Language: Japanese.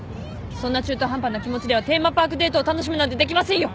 そんな中途半端な気持ちではテーマパークデートを楽しむなんてできませんよ！